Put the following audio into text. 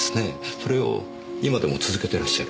それを今でも続けてらっしゃる。